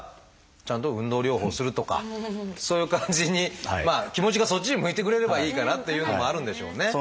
ちゃんと運動療法をするとかそういう感じにまあ気持ちがそっちに向いてくれればいいかなっていうのもあるんでしょうね。